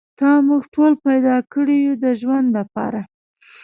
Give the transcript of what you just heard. تا موږ ټول پیدا کړي یو د ژوند لپاره.